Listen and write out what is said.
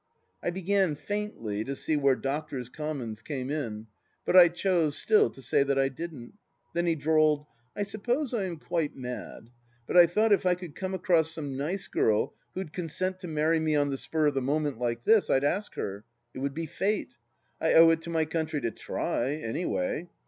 ..." I began faintly to see where Doctors' Commons came in, but I chose, still, to say that I didn't. Then he drawled :" I suppose I am quite mad .., but 1 thought if I could come across some nice girl who'd consent to marry me on the spur of the moment, like this, I'd ask her. It would be Fate. ... I owe it to my country to try, anyway.